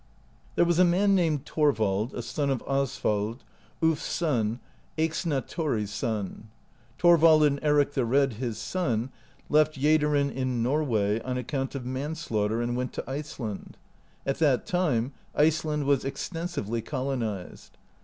There was a man named Thorvald, a son of Osvald, Ulf's son, Eyxna Thori's son. Thorvald and Eric the Red, his son, left Jaederen [in Norway], on account of manslaughter, and went to Iceland. At that time Iceland was extensively colonized.